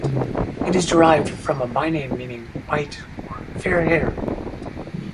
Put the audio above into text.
It is derived from a byname meaning "white" or "fair-haired".